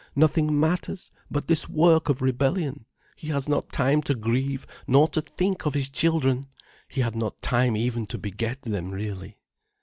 Nothing matters, but this work of rebellion! He has not time to grieve, nor to think of his children! He had not time even to beget them, really."